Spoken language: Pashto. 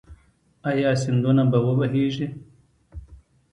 آیا سیندونه به و بهیږي؟